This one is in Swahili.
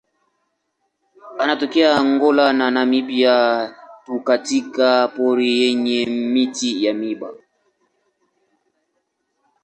Anatokea Angola na Namibia tu katika pori yenye miti ya miiba.